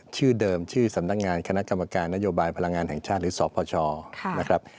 ชื่อเดิมชื่อสำนักงานคณะกรรมการนโยบายพลังงานแห่งชาติหรือสพชนะครับ